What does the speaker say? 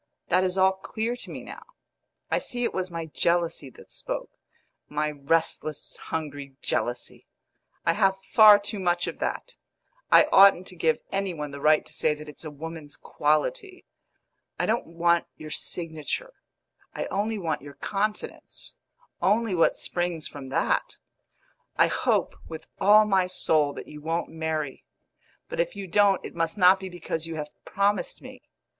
That is all clear to me now; I see it was my jealousy that spoke my restless, hungry jealousy. I have far too much of that; I oughtn't to give any one the right to say that it's a woman's quality. I don't want your signature; I only want your confidence only what springs from that. I hope with all my soul that you won't marry; but if you don't it must not be because you have promised me.